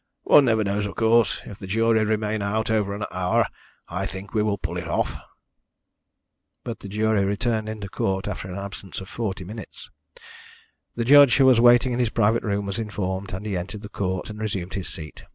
One never knows, of course. If the jury remain out over an hour I think we will pull it off." But the jury returned into court after an absence of forty minutes. The judge, who was waiting in his private room, was informed, and he entered the court and resumed his seat.